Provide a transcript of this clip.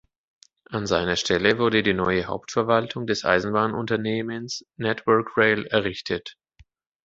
An seiner Stelle wurde die neue Hauptverwaltung des Eisenbahnunternehmens Network Rail errichtet.